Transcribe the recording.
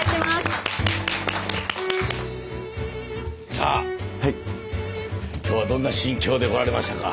さあ今日はどんな心境で来られましたか。